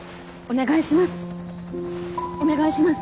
お願いします。